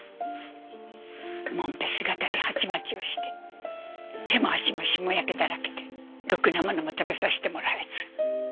モンペ姿で鉢巻きをして手も足もしもやけだらけでろくなものも食べさせてもらえず